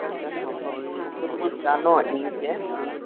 তুমি কী জান, ইনি কে?